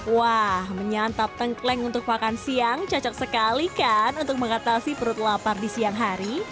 wah menyantap tengkleng untuk makan siang cocok sekali kan untuk mengatasi perut lapar di siang hari